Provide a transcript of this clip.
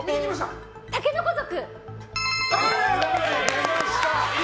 竹の子族！